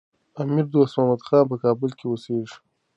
امیر دوست محمد خان په کابل کي اوسېږي.